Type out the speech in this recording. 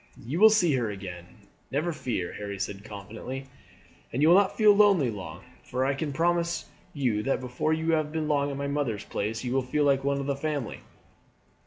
"You will see her again, never fear," Harry said confidently. "And you will not feel lonely long, for I can promise you that before you have been long at my mother's place you will feel like one of the family."